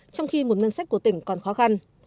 trong khi một ngân sách của tỉnh còn khó khăn